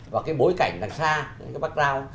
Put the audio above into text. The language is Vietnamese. và cái bối cảnh đằng xa cái background